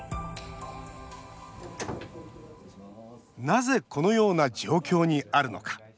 なぜ、このような状況にあるのか。